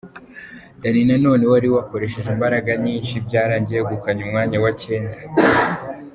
Danny Nanone wari wakoresheje imbaraga nyinshi byarangiye yegukanye umwanya wa cyenda .